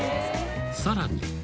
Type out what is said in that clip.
［さらに］